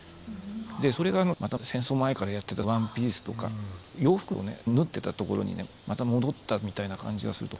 それが戦争前からやってたワンピースとか洋服を縫ってたところにねまた戻ったみたいな感じがすると。